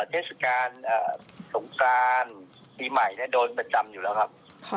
เทศกาลสงกรานปีใหม่โดนประจำอยู่แล้วครับ